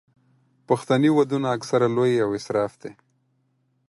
پښتني ودونه اکثره لوی او اسراف دي.